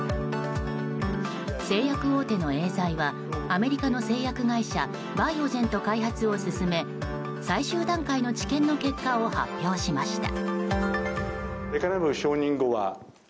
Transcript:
製薬大手のエーザイはアメリカの製薬会社バイオジェンと開発を進め最終段階の治験の結果を発表しました。